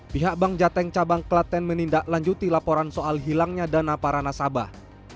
pihak bank jateng cabang klaten menindaklanjuti laporan soal hilangnya dana para nasabah